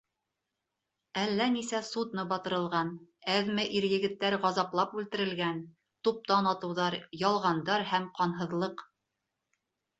Әллә нисә судно батырылған, әҙме ир-егеттәр ғазаплап үлтерелгән, туптан атыуҙар, ялғандар һәм ҡанһыҙлыҡ!